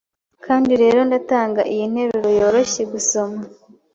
Kandi rero ndatanga iyi nteruro yoroshye gusoma